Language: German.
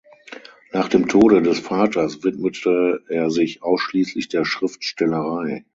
Nach dem Tode des Vaters widmete er sich ausschließlich der Schriftstellerei.